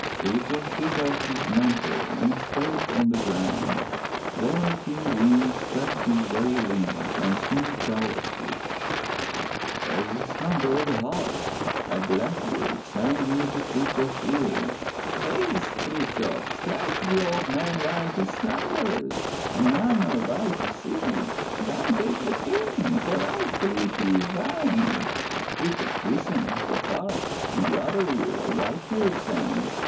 Frithjof took off his mantle and spread it on the ground. There King Ring stretched his weary limbs and soon fell asleep. As he slumbered, hark! a blackbird sang into Frithjof *s ear: '* Haste, Frithjof, strike the old man while he slumbers and none are by to see. Then take the Queen, for rightfully she is thine !" Frithjof listened, but hark! in the other ear a white bird sang.